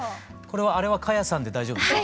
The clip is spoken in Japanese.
あれは花耶さんで大丈夫ですか？